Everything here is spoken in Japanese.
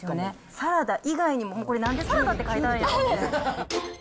サラダ以外にも、これ、なんでサラダって書いたんやって。